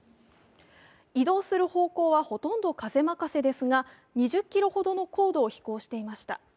移動する方向はほとんど風任せですが２０ｋｍほどの高度を飛行していました。